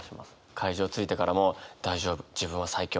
会場着いてからも「大丈夫自分は最強。